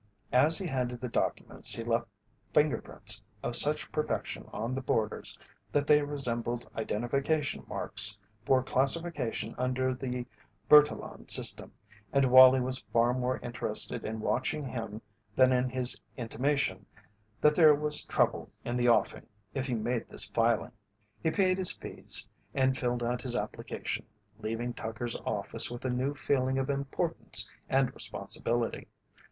As he handled the documents he left fingerprints of such perfection on the borders that they resembled identification marks for classification under the Bertillon system, and Wallie was far more interested in watching him than in his intimation that there was trouble in the offing if he made this filing. He paid his fees and filled out his application, leaving Tucker's office with a new feeling of importance and responsibility.